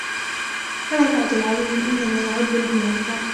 فلا تعجل عليهم إنما نعد لهم عدا